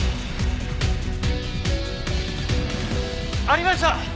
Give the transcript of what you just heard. ありました！